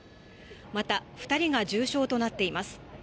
また、２人が重傷となっています。